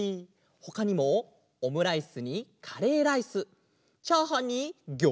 ほかにもオムライスにカレーライスチャーハンにギョーザだって！